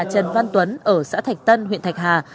trần văn tuấn ở xã thạch tân huyện thạch hà